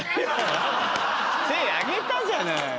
手挙げたじゃない！